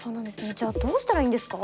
じゃあどうしたらいいんですか？